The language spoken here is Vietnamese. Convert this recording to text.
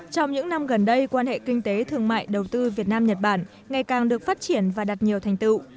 trong những năm gần đây quan hệ kinh tế thương mại đầu tư việt nam nhật bản ngày càng được phát triển và đạt nhiều thành tựu